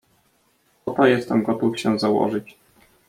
"O to jestem gotów się założyć."